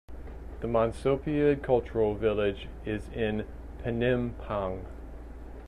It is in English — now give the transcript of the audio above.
The Monsopiad Cultural Village is in Penampang.